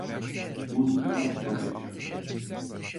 Uz duran çok yaşar